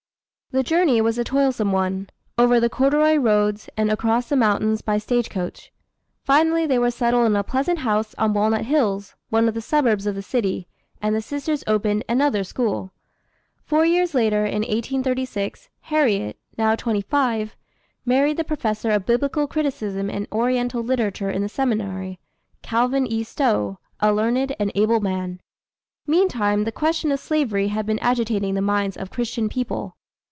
The journey was a toilsome one, over the corduroy roads and across the mountains by stagecoach. Finally they were settled in a pleasant house on Walnut Hills, one of the suburbs of the city, and the sisters opened another school. Four years later, in 1836, Harriet, now twenty five, married the professor of biblical criticism and Oriental literature in the seminary, Calvin E. Stowe, a learned and able man. Meantime the question of slavery had been agitating the minds of Christian people.